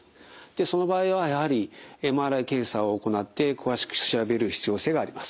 その場合はやはりＭＲＩ検査を行って詳しく調べる必要性があります。